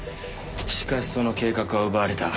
しかしその計画は奪われた。